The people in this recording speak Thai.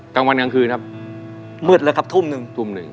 ตั้งวันกลางคืนครับมืดเลยครับทุ่มหนึ่ง